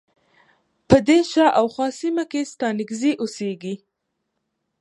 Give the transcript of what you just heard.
په دې شا او خواه سیمه کې ستانکزی اوسیږی.